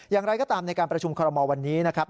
อย่างไรก็ตามในการประชุมคอรมอลวันนี้นะครับ